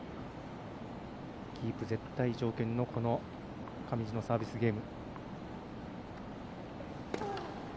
キープ絶対条件の上地のサービスゲーム。